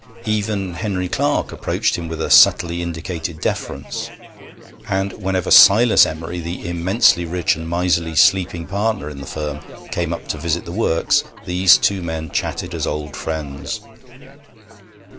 Even Henry Clarke approached him with a subtly indicated deference, and whenever Silas Emery, the immensely rich and miserly sleeping partner in the firm, came up to visit the works, these two old men chatted as old friends.